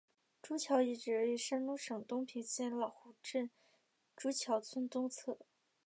朱桥遗址位于山东省东平县老湖镇朱桥村东侧。